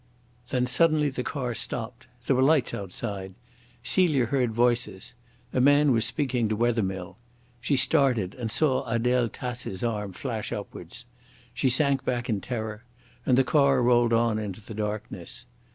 Then suddenly the car stopped. There were lights outside. Celia heard voices. A man was speaking to Wethermill. She started and saw Adele Tace's arm flash upwards. She sank back in terror; and the car rolled on into the darkness.